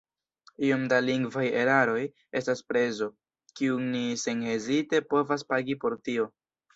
Iom da lingvaj eraroj estas prezo, kiun ni senhezite povas pagi por tio.